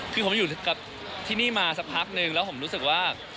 คือผมอยู่กับที่นี่มาสักพักนึงแล้วผมรู้สึกว่า